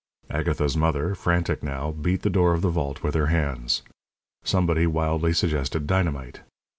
Agatha's mother, frantic now, beat the door of the vault with her hands. Somebody wildly suggested dynamite.